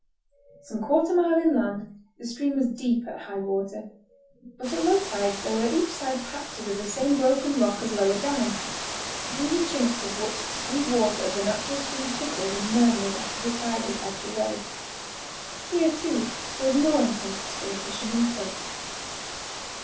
Some quarter mile inland the stream was deep at high water, but at low tide there were at each side patches of the same broken rock as lower down, through the chinks of which the sweet water of the natural stream trickled and murmured after the tide had ebbed away. Here, too, rose mooring posts for the fishermen's boats.